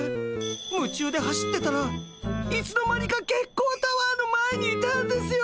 夢中で走ってたらいつの間にか月光タワーの前にいたんですよ！